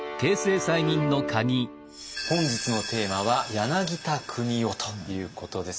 本日のテーマは柳田国男ということです。